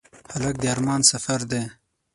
هلک د ارمان سفر دی.